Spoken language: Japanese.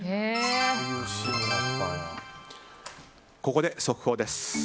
ここで速報です。